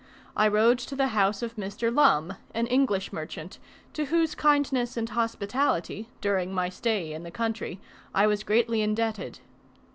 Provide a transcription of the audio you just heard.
I rode to the house of Mr. Lumb, an English merchant, to whose kindness and hospitality, during my stay in the country, I was greatly indebted.